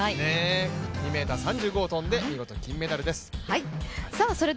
２ｍ３５を跳んで、見事に金メダルです。